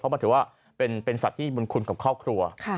เพราะมันถือว่าเป็นสัตว์ที่บุญคุณกับครอบครัว